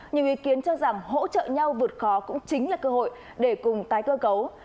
nhiều ý kiến cho rằng hỗ trợ nhau vượt khó cũng chính là cơ hội để cùng tái cơ cấu